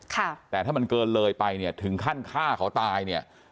ค่ะแต่ถ้ามันเกินเลยไปเนี่ยถึงขั้นฆ่าเขาตายเนี่ย